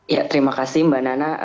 ya terima kasih mbak nana